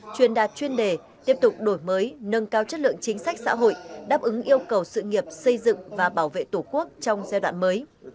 chuyên đạt chuyên đề tiếp tục đổi mới nâng cao chất lượng chính sách xã hội đáp ứng yêu cầu sự nghiệp xây dựng và bảo vệ tổ quốc trong giai đoạn mới